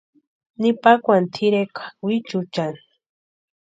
Ni pakwani tʼireka wichuuchani.